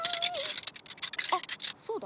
あっそうだ。